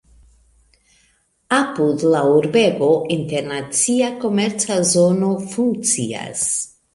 Apud la urbego internacia komerca zono funkcias.